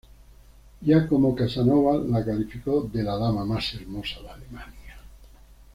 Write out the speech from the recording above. Giacomo Casanova la calificó de "la dama más hermosa de Alemania".